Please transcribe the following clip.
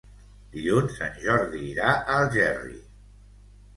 Dilluns en Jordi irà a Algerri.